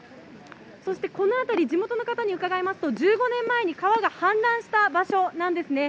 そして、この辺り、地元の方に伺いますと、１５年前に川が氾濫した場所なんですね。